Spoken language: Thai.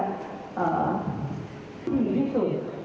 ดีที่สุด